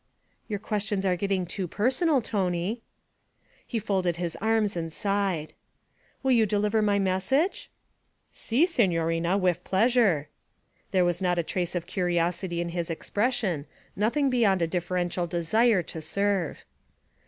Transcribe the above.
'Your questions are getting too personal, Tony.' He folded his arms and sighed. 'Will you deliver my message?' 'Si, signorina, wif pleasure.' There was not a trace of curiosity in his expression, nothing beyond a deferential desire to serve.